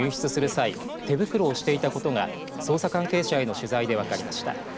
際手袋をしていたことが捜査関係者への取材で分かりました。